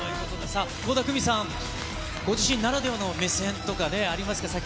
さあ、倖田來未さん、ご自身ならではの目線とかね、ありますか？